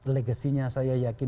legasinya saya yakin